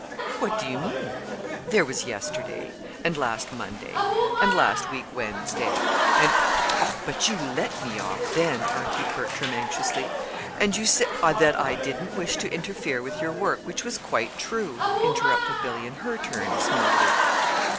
"What do you mean?" "There was yesterday, and last Monday, and last week Wednesday, and " "Oh, but you let me off, then," argued Bertram, anxiously. "And you said " "That I didn't wish to interfere with your work which was quite true," interrupted Billy in her turn, smoothly.